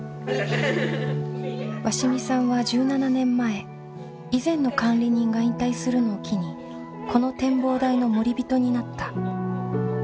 鷲見さんは１７年前以前の管理人が引退するのを機にこの展望台の守り人になった。